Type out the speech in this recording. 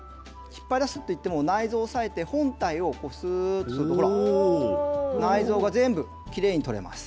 引っ張り出すといっても内臓を押さえて本体をすーっとすれば内臓が全部きれいに取れます。